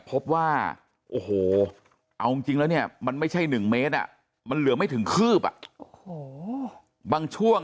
พบว่าโอ๊ะโหเอาจริงแล้วเนี่ยมันไม่ใช่๑เมตรอ่ะมันเหลือไม่ถึงขืบบบางช่วง